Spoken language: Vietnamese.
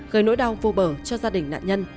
gây nỗi đau vô bờ cho gia đình nạn nhân